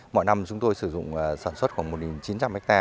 mọi năm chúng tôi sử dụng sản xuất khoảng một chín trăm linh ha